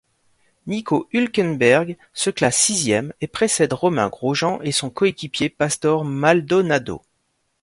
Nico Hülkenberg se classe sixième et précède Romain Grosjean et son coéquipier Pastor Maldonado.